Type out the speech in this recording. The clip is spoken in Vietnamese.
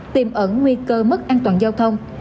tìm ẩn nguy cơ mất an toàn giao thông